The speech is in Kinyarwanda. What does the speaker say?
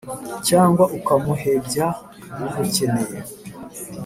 cyangwa ukamuhebya agukeneye.